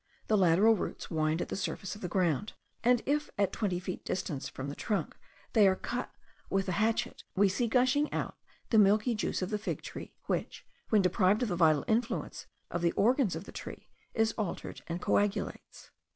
The lateral roots wind at the surface of the ground, and if at twenty feet distance from the trunk they are cut with a hatchet, we see gushing out the milky juice of the fig tree, which, when deprived of the vital influence of the organs of the tree, is altered and coagulates.